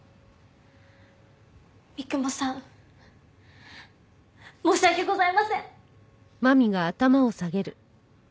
三雲さん申し訳ございません！